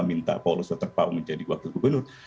minta paulus waterpau menjadi wakil gubernur